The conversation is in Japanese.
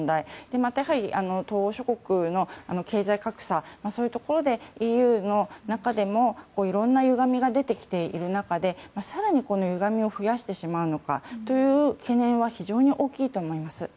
また、東欧諸国の経済格差そういうところでＥＵの中でもいろんなゆがみが出てきている中で更に、このゆがみを増やしてしまうのかという懸念は非常に大きいと思います。